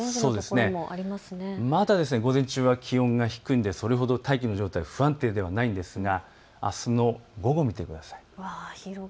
まだ午前中は気温が低いのでそれほど大気の状態は不安定ではないですがあすの午後を見てください。